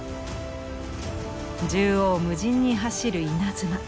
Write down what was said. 縦横無尽に走る稲妻。